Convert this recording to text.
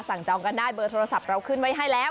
จองกันได้เบอร์โทรศัพท์เราขึ้นไว้ให้แล้ว